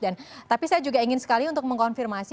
dan tapi saya juga ingin sekali untuk mengkonfirmasi